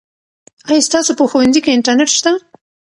آیا ستاسو په ښوونځي کې انټرنیټ شته؟